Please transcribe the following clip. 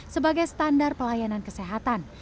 sebagai standar pelayanan kesehatan